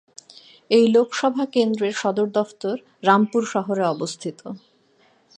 এই লোকসভা কেন্দ্রের সদর দফতর রামপুর শহরে অবস্থিত।